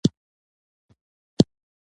د خدای لاره تل د خیر لاره ده.